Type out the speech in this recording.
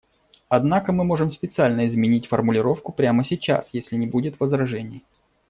Однако мы можем специально изменить формулировку прямо сейчас, если не будет возражений.